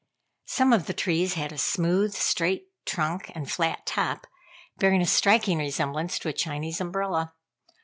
Some of the trees had a smooth, straight trunk and flat top, bearing a striking resemblance to a Chinese umbrella.